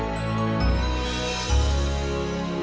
sampai jumpa lagi